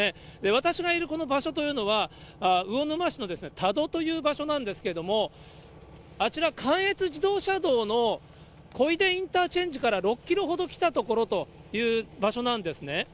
私がいるこの場所というのは、魚沼市のたどという場所なんですけれども、あちら、関越自動車道のこいでインターチェンジから６キロほど来たところという場所なんですね。